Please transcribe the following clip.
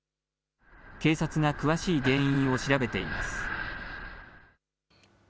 警察が詳しい原因を調べています。